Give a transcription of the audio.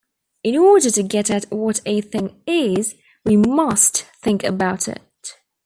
In order to get at what a thing "is", we must think about it.